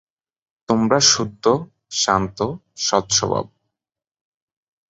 তোমরা শুদ্ধ, শান্ত, সৎস্বভাব।